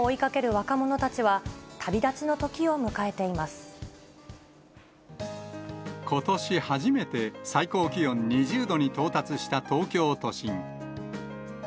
若者たちは、ことし初めて、最高気温２０度に到達した東京都心。